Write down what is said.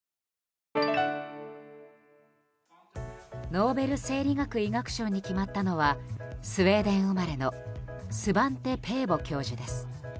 ノーベル生理学・医学賞に決まったのはスウェーデン生まれのスバンテ・ペーボ教授です。